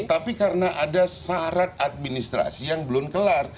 tapi karena ada syarat administrasi yang belum kelar